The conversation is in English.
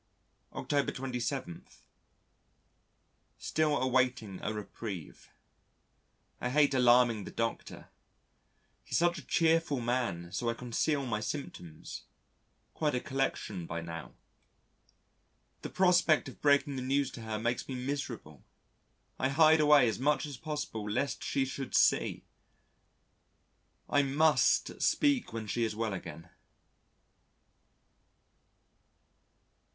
October 27. Still awaiting a reprieve. I hate alarming the Doctor he's such a cheerful man so I conceal my symptoms, quite a collection by now. The prospect of breaking the news to her makes me miserable. I hide away as much as possible lest she should see. I must speak when she is well again.